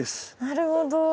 なるほど。